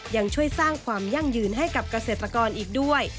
ยังช่วยสร้างความยั่งยืนให้กับเกษตรกรอีกด้วย